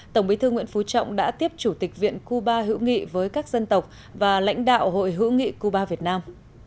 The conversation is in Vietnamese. tổng bí thư nguyễn phú trọng đã tiếp chủ tịch viện cuba hữu nghị với các dân tộc và lãnh đạo hội hữu nghị cuba việt nam